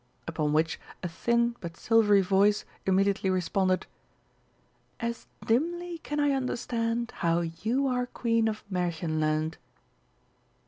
Upon which a thin but silvery voice immediately responded: "As dimly can I understand How you are Queen of Märchenland!"